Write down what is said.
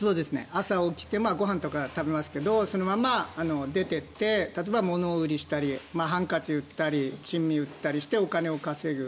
朝起きてご飯とか食べますがそのまま出ていって例えば、物売りをしたりハンカチ売ったり珍味売ったりしてお金を稼ぐ。